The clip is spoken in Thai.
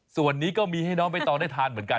ส่วนนี้ก็มีให้น้องใบตองได้ทานเหมือนกัน